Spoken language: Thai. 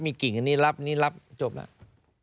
มีกิ่งอันนี้รับนี่รับจบแล้ว